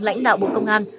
lãnh đạo bộ công an